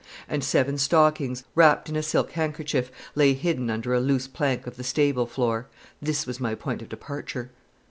and seven stockings, wrapped in a silk handkerchief lay hidden under a loose plank of the stable floor. This was my point of departure.